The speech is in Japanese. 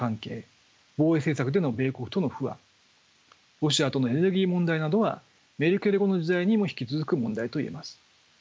ロシアとのエネルギー問題などはメルケル後の時代にも引き続く問題といえます。